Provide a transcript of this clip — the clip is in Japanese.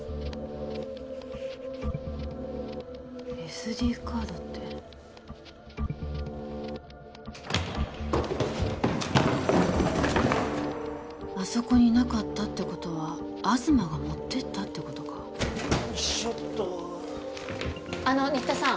ＳＤカードってあそこになかったってことは東が持ってったってことかよいしょっとあの新田さん